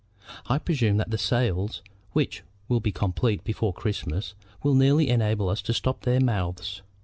I presume that the sales, which will be completed before Christmas, will nearly enable us to stop their mouths.